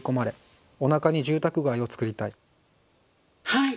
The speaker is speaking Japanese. はい！